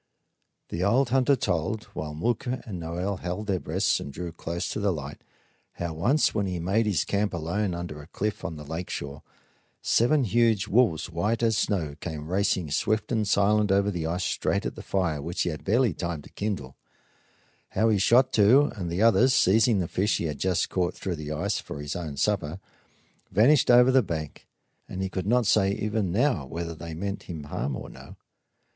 The old hunter told, while Mooka and Noel held their breaths and drew closer to the light, how once, when he made his camp alone under a cliff on the lake shore, seven huge wolves, white as the snow, came racing swift and silent over the ice straight at the fire which he had barely time to kindle; how he shot two, and the others, seizing the fish he had just caught through the ice for his own supper, vanished over the bank; and he could not say even now whether they meant him harm or no.